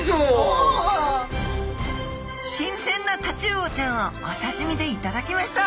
しんせんなタチウオちゃんをおさしみで頂きました！